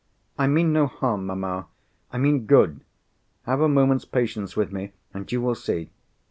"I mean no harm, mamma—I mean good. Have a moment's patience with me, and you will see."